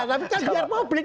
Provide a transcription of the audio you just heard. tapi kan biar publik